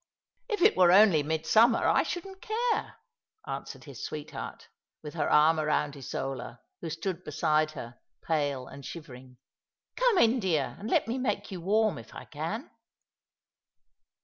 *' If it were only midsummer, I shouldn't care," answered his sweetheart, with her arm round Isola, who stood beside her, pale and shivering. " Come in, dear, and let me make you warm, if I can."